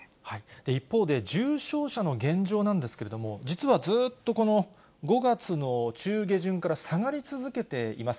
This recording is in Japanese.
一方で、重症者の現状なんですけれども、実はずっとこの５月の中下旬から下がり続けています。